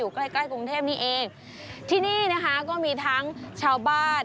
ใกล้ใกล้กรุงเทพนี่เองที่นี่นะคะก็มีทั้งชาวบ้าน